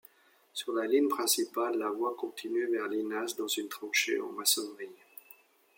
Sur la ligne principale, la voie continuait vers Linas dans une tranchée en maçonnerie.